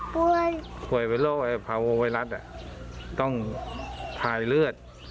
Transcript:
ป่วยป่วยเป็นโรคพาวงไวรัสต้องทายเลือด